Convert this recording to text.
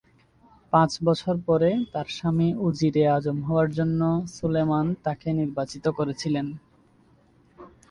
পাঁচ বছর পরে, তার স্বামী উজিরে আজম হওয়ার জন্য সুলেমান তাকে নির্বাচিত করেছিলেন।